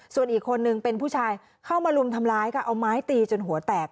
ส่วนอีกคนนึงเป็นผู้ชายเข้ามารุมทำร้ายค่ะเอาไม้ตีจนหัวแตก